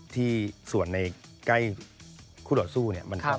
ที่ส่วนในใกล้คู่ต่อสู้เนี่ย